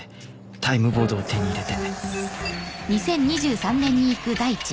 タイムボードを手に入れて。